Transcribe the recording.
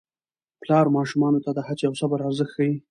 پلار ماشومانو ته د هڅې او صبر ارزښت ښيي